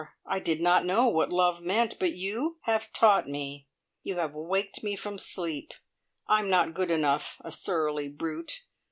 I did not know what love meant, but you have taught me. You have waked me from sleep. I'm not good enough a surly brute!